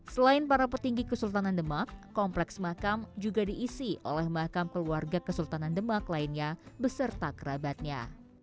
selain para petinggi kesultanan demak kompleks makam juga diisi oleh makam keluarga kesultanan demak lainnya beserta kerabatnya